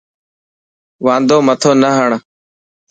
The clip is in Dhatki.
واندو مٿو نه هڻ.